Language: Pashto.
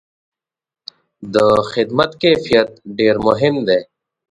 د خدمت کیفیت ډېر مهم دی.